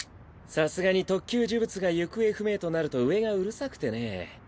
さすがに特級呪物が行方不明となると上がうるさくてねぇ。